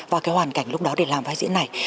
và cái hoàn cảnh lúc đó để làm vai diễn này